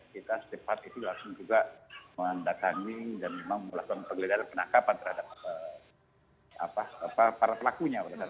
kita setepat itu langsung juga mendatangi dan melakukan penggelidahan penangkapan terhadap para pelakunya